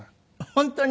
本当に？